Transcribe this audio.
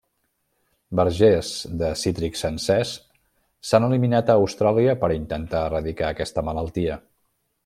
Vergers de cítrics sencers s'han eliminat a Austràlia per intentar erradicar aquesta malaltia.